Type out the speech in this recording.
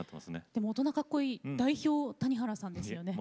でも大人かっこいい代表谷原さんですよね。